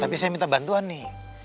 tapi saya minta bantuan nih